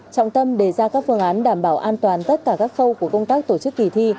trọng tâm đề ra các phương án đảm bảo an toàn tất cả các khâu của công tác tổ chức kỳ thi